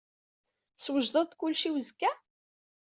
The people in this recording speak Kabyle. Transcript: Teswejded-d kullec i uzekka?